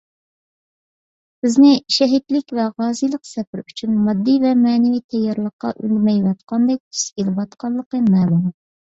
بىزنى شەھىدلىك ۋە غازىيلىق سەپىرى ئۈچۈن ماددىي ۋە مەنىۋى تەييارلىققا ئۈندىمەيۋاتقاندەك تۈس ئېلىۋاتقانلىقى مەلۇم.